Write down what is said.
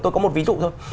tôi có một ví dụ thôi